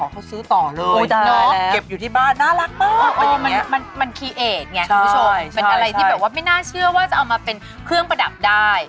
เพราะว่าจะเอามาเป็นเครื่องประดับได้